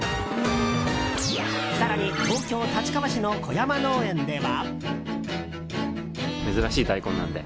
更に、東京・立川市の小山農園では。